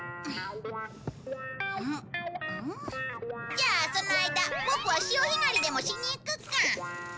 じゃあその間ボクは潮干狩りでもしに行くか。